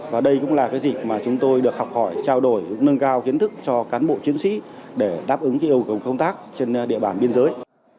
và đây cũng là cái dịp mà chúng tôi được học hỏi trao đổi nâng cao kiến thức cho cán bộ chiến sĩ để đáp ứng cái yêu cầu công tác trên địa bàn biên giới